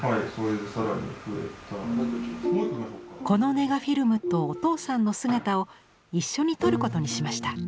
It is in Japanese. このネガフィルムとお父さんの姿を一緒に撮ることにしました。